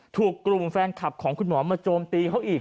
ถูกกลุ่มแฟนคลับของคุณหมอมาโจมตีเขาอีก